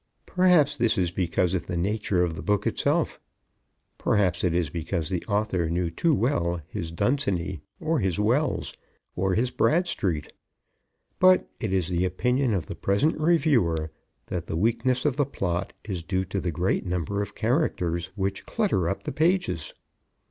Perhaps this is because of the nature of the book itself. Perhaps it is because the author knew too well his Dunsany. Or his Wells. Or his Bradstreet. But it is the opinion of the present reviewer that the weakness of plot is due to the great number of characters which clutter up the pages.